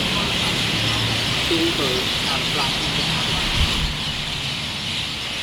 J curves have flattened dramatically.